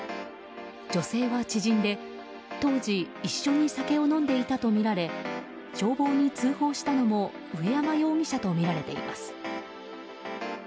女性は知人で当時、一緒に酒を飲んでいたとみられ消防に通報したのも上山容疑者とみられています。